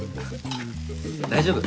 大丈夫！